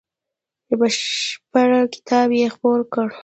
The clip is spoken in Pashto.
بشپړ کتاب یې خپور کړ.